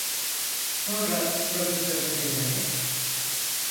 Sonra profesöre dönerek: